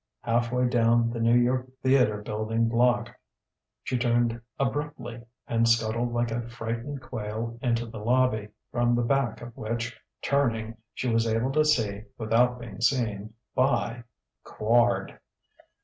Half way down the New York Theatre Building block, she turned abruptly and scuttled like a frightened quail into the lobby, from the back of which, turning, she was able to see, without being seen by, Quard.